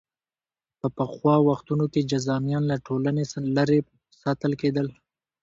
په پخوا وختونو کې جذامیان له ټولنې لرې ساتل کېدل.